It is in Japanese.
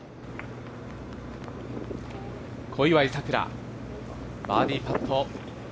小祝さくら、バーディーパット。